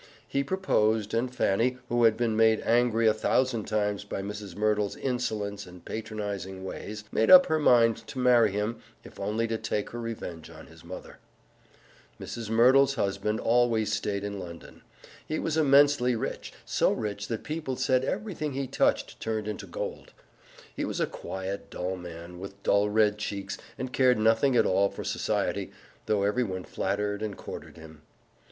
He proposed, and Fanny, who had been made angry a thousand times by Mrs. Merdle's insolence and patronizing ways, made up her mind to marry him if only to take her revenge on his mother. Mrs. Merdle's husband always stayed in London. He was immensely rich so rich that people said everything he touched turned into gold. He was a quiet, dull man, with dull red cheeks, and cared nothing at all for society, though everybody flattered and courted him.